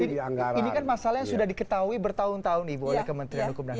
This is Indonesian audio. ini kan masalah yang sudah diketahui bertahun tahun ibu oleh kementerian